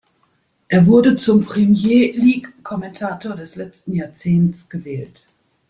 Er wurde zum Premier League-Kommentator des letzten Jahrzehnts gewählt.